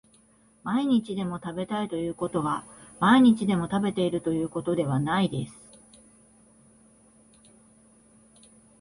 毎日でも食べたいということは毎日でも食べているということではないです